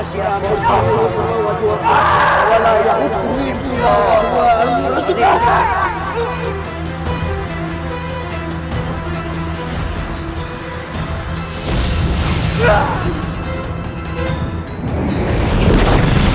jangan lupa like share dan subscribe